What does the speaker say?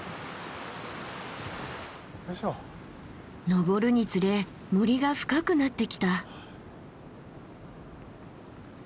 登るにつれ森が深くなってきた。